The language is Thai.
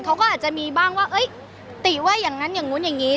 เขาก็อาจจะมีบ้างว่าติว่าอย่างนั้นอย่างนู้นอย่างนี้